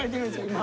今。